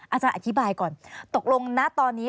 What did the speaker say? อาจารย์อธิบายก่อนตกลงณตอนนี้